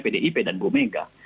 pdip dan bumega